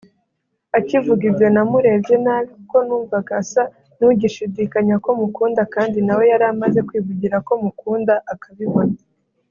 Akivuga ibyo namurebye nabi kuko numvaga asa nugishidikanya ko mukunda kandi nawe yari amaze kwivugira ko mukunda akabibona